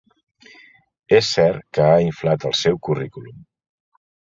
És cert que ha inflat el seu currículum.